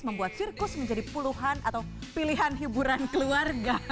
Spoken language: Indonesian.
membuat sirkus menjadi puluhan atau pilihan hiburan keluarga